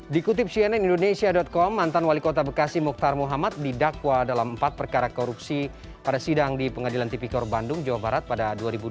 dikutip cnn indonesia com mantan wali kota bekasi mukhtar muhammad didakwa dalam empat perkara korupsi pada sidang di pengadilan tipikor bandung jawa barat pada dua ribu dua belas